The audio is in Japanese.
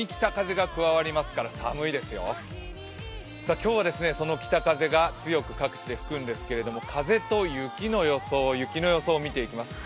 今日は北風が強く各地で吹くんですけど風と雪の予想を見ていきます。